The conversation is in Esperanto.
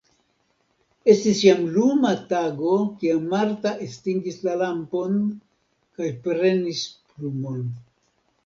Estis jam luma tago, kiam Marta estingis la lampon kaj prenis plumon.